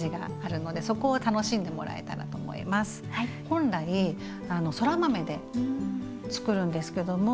本来そら豆でつくるんですけども。